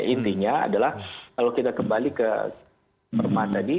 intinya adalah kalau kita kembali ke perma tadi